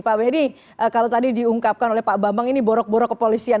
pak bedi kalau tadi diungkapkan oleh pak bambang ini borok borok kepolisian